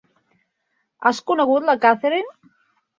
Has conegut la Catherine?